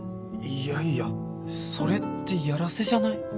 いやいやそれってヤラセじゃない？